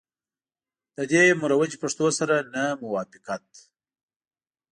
له دې مروجي پښتو سره نه موافقت.